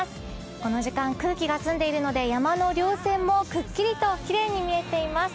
この時間空気が澄んでいるので山のりょう線もくっきり見えています。